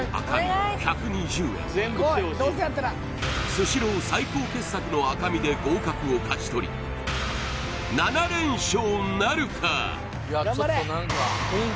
スシロー最高傑作の赤身で合格を勝ち取り７連勝なるか？